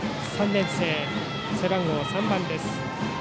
３年生、背番号３番です。